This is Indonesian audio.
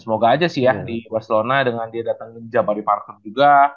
semoga aja sih ya di barcelona dengan dia datangin jabari park juga